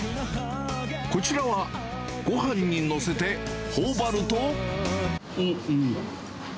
こちらはごはんに載せて、ほおばると。